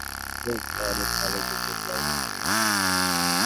হুম, ও অনেক কালো, যেতে দেওয়া জন্য।